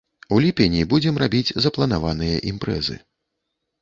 У ліпені будзем рабіць запланаваныя імпрэзы.